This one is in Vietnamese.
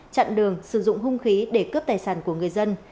chặn đường sử dụng hung khí để cướp tài sản của người dân